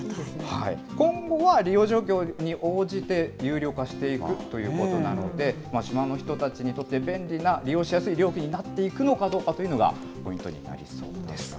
今後は利用状況に応じて、有料化していくということなので、島の人たちにとって便利な利用しやすい料金になっていくのかどうかというのが、ポイントになりそうです。